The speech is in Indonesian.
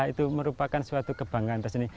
itu merupakan suatu kebanggaan